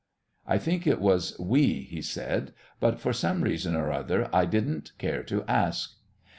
I think it was "we" he said, but for some reason or other I didn't care to ask.